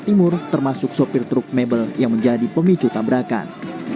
timur termasuk sopir truk mebel yang menjadi pemicu tabrakan